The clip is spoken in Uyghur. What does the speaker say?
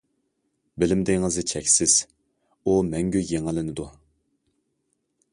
بىلىم دېڭىزى چەكسىز، ئۇ مەڭگۈ يېڭىلىنىدۇ.